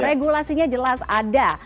regulasinya jelas ada